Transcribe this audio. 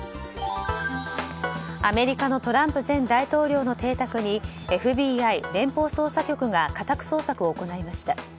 アメリカのトランプ前大統領の邸宅にＦＢＩ・連邦捜査局が家宅捜索を行いました。